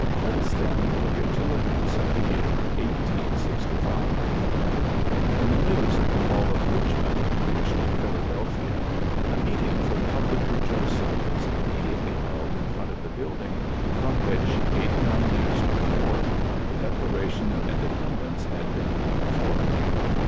Let us, then, look at two events of the year 1865. When the news of the fall of Eich mond reached Philadelphia, a meeting PHILLIPS BEOOKS 3 for public rejoicing was immediately held in front of the building from which, eighty nine years before, the Declaration of Independence had been given forth.